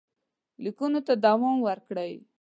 لیکونو ته دوام ورکړئ.